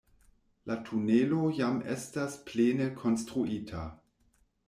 La tunelo jam estas plene konstruita.